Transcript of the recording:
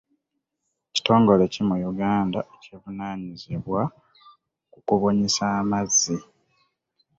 Kitongole ki mu Uganda ekivunaanyizibwa ku kubunyisa amazzi?